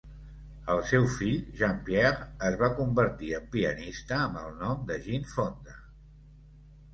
El seu fill Jean-Pierre es va convertir en pianista amb el nom de Jean Fonda.